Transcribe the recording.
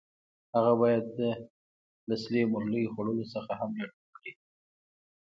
هغه باید له سرې مولۍ خوړلو څخه هم ډډه وکړي.